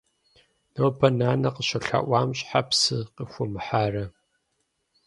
Нобэ нанэ къыщолъэӀуам щхьэ псы къыхуумыхьарэ?